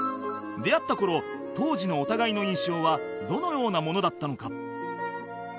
出会った頃当時のお互いの印象はどのようなものだったのか？